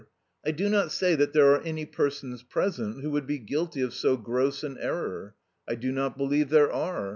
I do not say that there are any persons present who would be guilty of so gross an error. I do not believe there are.